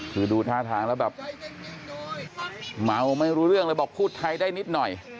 คือดูท่าทางแล้วแบบเมาไม่รู้เรื่องเลยบอกพูดไทยได้นิดหน่อย